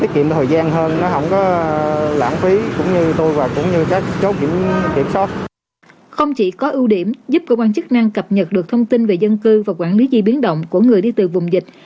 không chỉ có ưu điểm giúp cơ quan chức năng cập nhật được thông tin về dân cư và quản lý di biến động của người đi từ vùng dịch